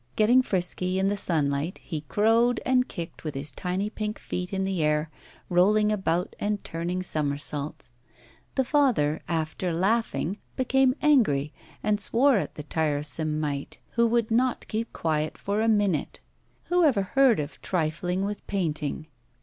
Getting frisky, in the sunlight, he crowed and kicked with his tiny pink feet in the air, rolling about and turning somersaults. The father, after laughing, became angry, and swore at the tiresome mite, who would not keep quiet for a minute. Who ever heard of trifling with painting?